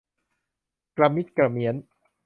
กระมิดกระเมี้ยน